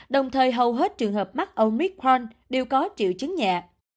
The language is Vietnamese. đồng thời hầu hết trường hợp mắc omicron đều có triệu chứng nhẹ